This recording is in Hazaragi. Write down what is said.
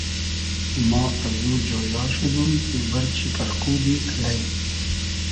ما ازو جۉیا شودوم کی بئرچی پئرقودی الݷ